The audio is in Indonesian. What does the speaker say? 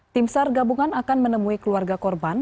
tim sar gabungan akan menemui keluarga korban